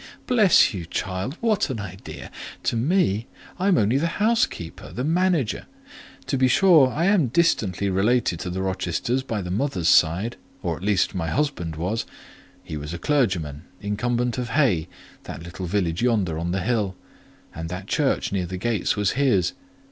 Bless you, child; what an idea! To me! I am only the housekeeper—the manager. To be sure I am distantly related to the Rochesters by the mother's side, or at least my husband was; he was a clergyman, incumbent of Hay—that little village yonder on the hill—and that church near the gates was his.